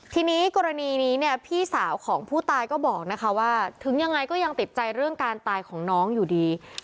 ทีนี้กรณีนี้เนี่ยพี่สาวของผู้ตายก็บอกนะคะว่าถึงยังไงก็ยังติดใจเรื่องการตายของน้องอยู่ดี